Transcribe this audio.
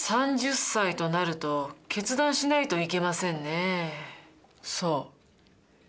３０歳となると決断しないといけませんね。